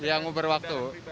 ya ngubur waktu